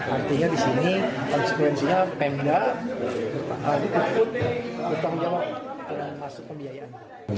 artinya disini konsekuensinya pemda ketua kejahatan dan kasus pembiayaan